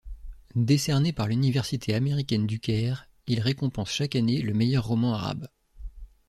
Décerné par l'Université américaine du Caire, il récompense chaque année le meilleur roman arabe.